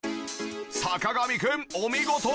坂上くんお見事！